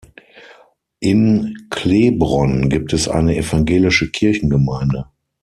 In Cleebronn gibt es eine evangelische Kirchengemeinde.